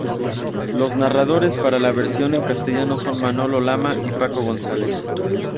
Los narradores para la versión en castellano son Manolo Lama y Paco González.